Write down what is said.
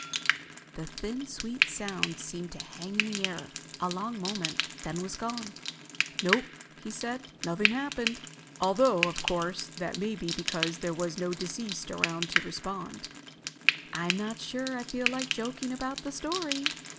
The thin, sweet sound seemed to hang in the air a long moment, then was gone. "Nope," he said. "Nothing happened. Although, of course, that may be because there was no deceased around to respond." "I'm not sure I feel like joking about the story."